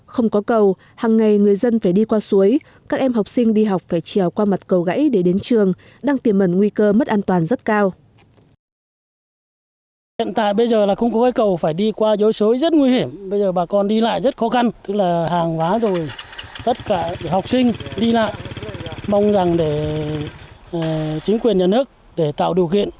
không có cầu hằng ngày người dân phải đi qua suối các em học sinh đi học phải trèo qua mặt cầu gãy để đến trường đang tiềm mẩn nguy cơ mất an toàn rất cao